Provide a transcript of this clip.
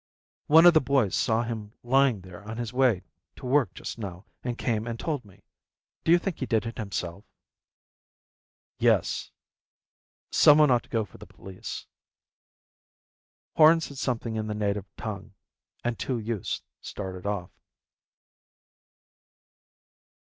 "One of the boys saw him lying there on his way to work just now and came and told me. Do you think he did it himself?" "Yes. Someone ought to go for the police." Horn said something in the native tongue, and two youths started off.